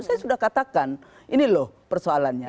saya sudah katakan ini loh persoalannya